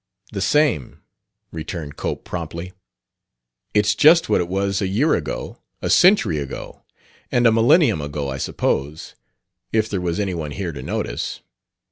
"The same," returned Cope promptly. "It's just what it was a year ago, a century ago; and a millennium ago, I suppose, if there was anyone here to notice."